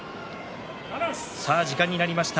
時間なりました。